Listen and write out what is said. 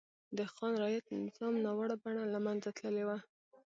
د خان رعیت نظام ناوړه بڼه له منځه تللې وه.